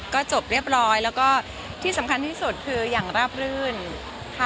ก็จบเรียบร้อยแล้วก็ที่สำคัญที่สุดคืออย่างราบรื่นค่ะ